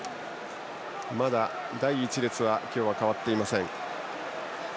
まだ第１列は今日は代わっていません。